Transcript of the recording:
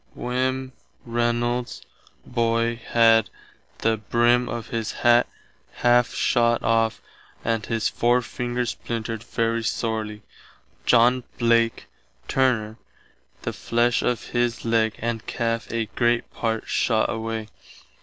Wm. Reynolds's boy had the brim of his hatt ½ shott off and his forefinger splintered very sorely. John Blake, turner, the flesh of his legg and calfe a great part shott away.